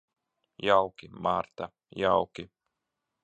Jauki, Marta, jauki.